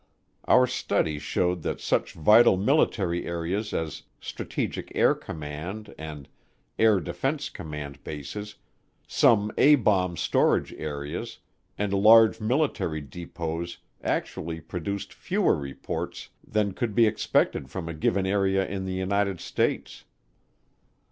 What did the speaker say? Our studies showed that such vital military areas as Strategic Air Command and Air Defense Command bases, some A bomb storage areas, and large military depots actually produced fewer reports than could be expected from a given area in the United States.